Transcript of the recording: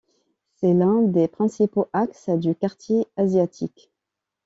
C'est l'un des principaux axes du quartier asiatique.